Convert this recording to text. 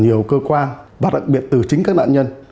nhiều cơ quan và đặc biệt từ chính các nạn nhân